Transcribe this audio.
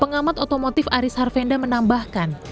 pengamat otomotif aris harvenda menambahkan